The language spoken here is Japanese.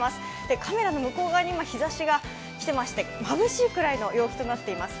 カメラの向こう側に日ざしが来てまして、まぶしいくらいの陽気となっています。